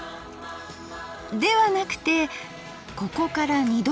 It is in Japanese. ではなくてここから二度漬けします。